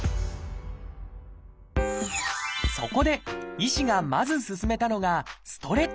そこで医師がまず勧めたのがストレッチ。